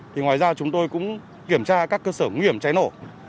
thì ngoài ra chúng tôi cũng kiểm tra các cơ sở nguy hiểm cháy nổ